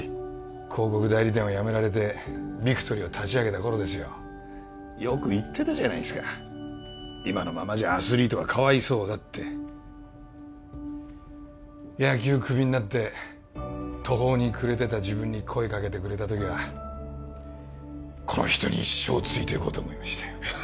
広告代理店を辞められてビクトリーを立ち上げた頃ですよよく言ってたじゃないですか今のままじゃアスリートがかわいそうだって野球クビになって途方に暮れてた自分に声かけてくれた時はこの人に一生ついていこうと思いましたよ